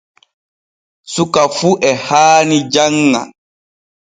Suka fu e haani janŋa.